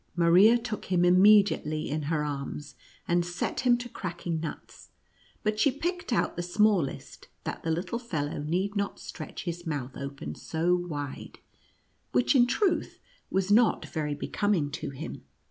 Maria took him immediately in her arms, and set him to cracking nuts, but she picked out the smallest, that the little fellow need not stretch his mouth open so wide, which in truth was not very becoming to him.